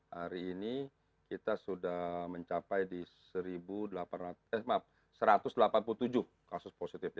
hari ini kita sudah mencapai di satu ratus delapan puluh tujuh kasus positif